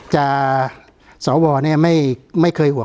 การแสดงความคิดเห็น